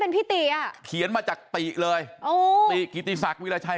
เป็นพี่ติอ่ะเขียนมาจากติเลยโอ้ติกิติศักดิราชัย